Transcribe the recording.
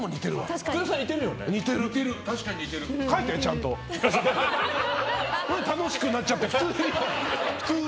すごい楽しくなっちゃって普通に。